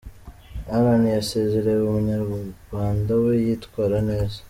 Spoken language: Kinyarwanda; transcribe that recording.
Allan yasezerewe, umunyarwanda we yitwara neza.